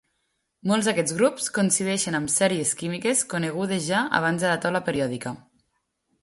Molts d'aquests grups coincideixen amb sèries químiques conegudes ja abans de la taula periòdica.